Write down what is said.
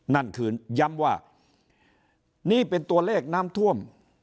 นั่นคือย้ำว่านี่เป็นตัวเลขน้ำท่วม